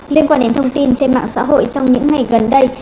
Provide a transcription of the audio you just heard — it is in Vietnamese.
liên quan đến thông tin trên mạng xã hội trong những ngày gần đây